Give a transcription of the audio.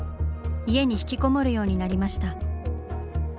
家に引きこもるようになりました。